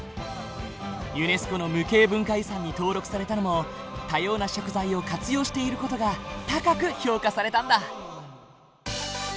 ユネスコの無形文化遺産に登録されたのも多様な食材を活用している事が高く評価されたんだ。